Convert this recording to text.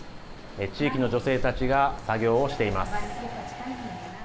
地域の女性たちが作業をしています。